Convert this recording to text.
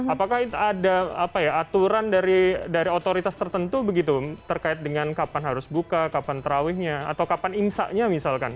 apakah itu ada aturan dari otoritas tertentu begitu terkait dengan kapan harus buka kapan terawihnya atau kapan imsanya misalkan